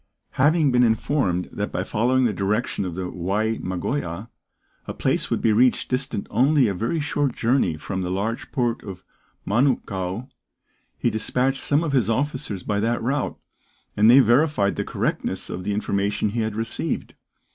Having been informed that by following the direction of the Wai Magoia, a place would be reached distant only a very short journey from the large port of Manukau, he despatched some of his officers by that route, and they verified the correctness of the information he had received.